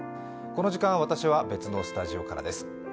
この時間、私は別のスタジオからです。